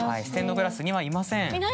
ステンドグラスにはいません。